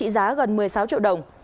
gần một mươi sáu triệu đồng